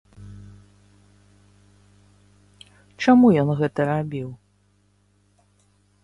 Чаму ён гэта рабіў?